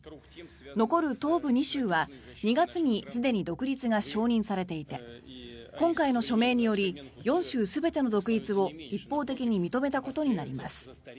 残る東部２州は２月にすでに独立が承認されていて今回の署名により４州全ての独立を一方的に認めたことになります。